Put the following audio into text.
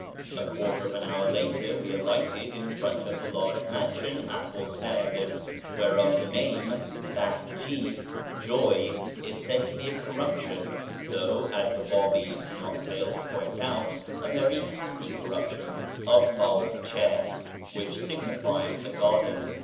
A quarter of an hour later we alighted in front of the large mansion aforesaid, whereof the name, Behjé (Joy), is said to be a corruption (though, as the Bábís do not fail to point out, a very happy corruption) of Bághcha (which signifies a garden).